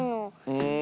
うん。